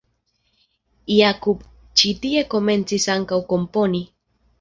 Jakub ĉi tie komencis ankaŭ komponi.